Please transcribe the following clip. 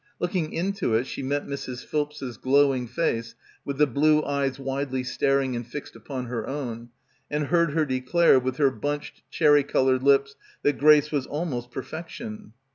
Looking into it, she met Mrs. Philps's glowing face with the blue eyes widely staring and fixed upon her own, and heard her declare, with her bunched cherry coloured lips, that Grace was 'al most perfection.'